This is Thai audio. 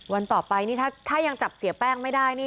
วันต่อไปนี่ถ้ายังจับเสียแป้งไม่ได้นี่